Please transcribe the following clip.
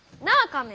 亀。